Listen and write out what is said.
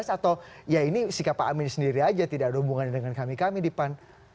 atau ya ini sikap pak amin sendiri aja tidak ada hubungannya dengan kami kami di pan